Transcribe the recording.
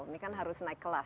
ini kan harus naik kelas